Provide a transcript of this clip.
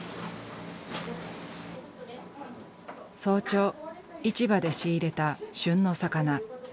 早朝市場で仕入れた旬の魚。